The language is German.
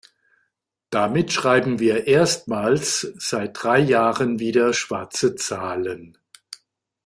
Damit schreiben wir erstmals seit drei Jahren wieder schwarze Zahlen.